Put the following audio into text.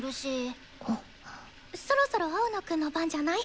そろそろ青野くんの番じゃない？